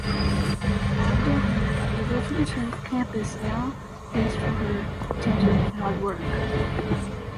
Abdul hamid able to return campus now place for her attention and hard work.